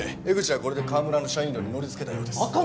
江口はこれで川村の社員寮に乗りつけたようです。